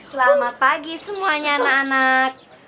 selamat pagi semuanya anak anak